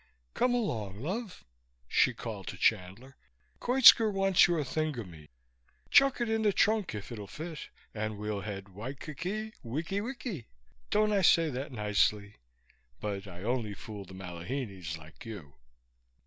"Come along, love," she called to Chandler. "Koitska wants your thingummy. Chuck it in the trunk if it'll fit, and we'll head waikiki wikiwiki. Don't I say that nicely? But I only fool the malihinis, like you."